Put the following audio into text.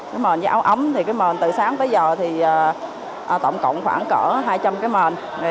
cái mền với áo ấm thì cái mền từ sáng tới giờ thì tổng cộng khoảng cỡ hai trăm linh cái mền